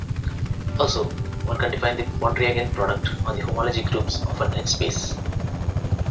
Also, one can define the Pontryagin product on the homology groups of an H-space.